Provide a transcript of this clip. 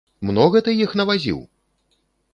Многа ты іх навазіў?!